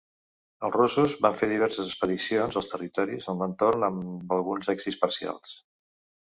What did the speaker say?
Els russos van fer diverses expedicions als territoris a l'entorn amb alguns èxits parcials.